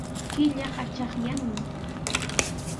Killa achikyanmi.